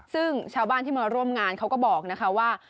ซึ่งชาวบ้านที่มาร่วมงานเขาก็บอกนะคะว่า